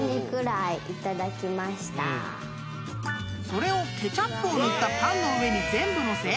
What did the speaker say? ［それをケチャップを塗ったパンの上に全部載せ］